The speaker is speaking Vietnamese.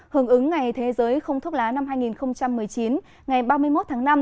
hưởng ứng ngày thế giới không thuốc lá năm hai nghìn một mươi chín ngày ba mươi một tháng năm